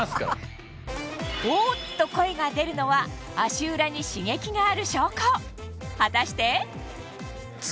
「おぉ」っと声が出るのは足裏に刺激がある証拠果たして？